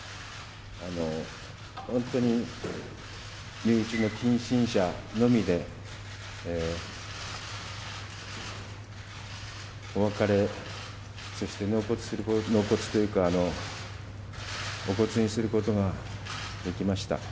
本当に身内の近親者のみで、お別れ、そして納骨、納骨というか、お骨にすることができました。